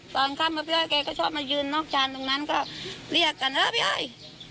ตอนค่ำกับพี่อ้อยแกก็ชอบมายืนนอกจานตรงนั้นก็เรียกกันเออพี่ไอ้